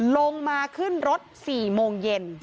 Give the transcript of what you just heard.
ลงมาขึ้นรถ๔โมงเย็น